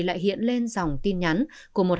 lại hiện lên dòng tin nhắn của một